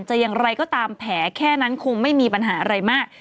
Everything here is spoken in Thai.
อย่างไรก็ตามแผลแค่นั้นคงไม่มีปัญหาอะไรมาก